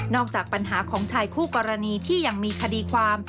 จากปัญหาของชายคู่กรณีที่ยังมีคดีความ